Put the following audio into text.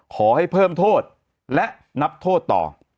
ขอให้เพิ่มโทษและนับโทษต่อ